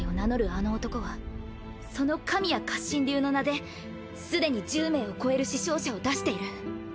あの男はその神谷活心流の名ですでに１０名を超える死傷者を出している。